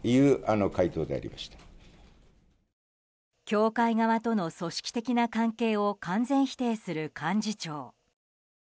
教会側との組織的な関係を完全否定する幹事長。